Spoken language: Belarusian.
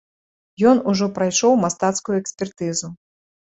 Ён ужо прайшоў мастацкую экспертызу.